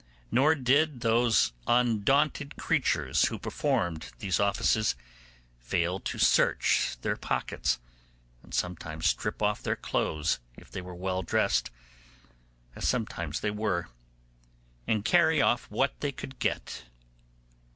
Nor did those undaunted creatures who performed these offices fail to search their pockets, and sometimes strip off their clothes if they were well dressed, as sometimes they were, and carry off what they could get.